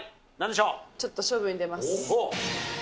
ちょっと勝負に出ます。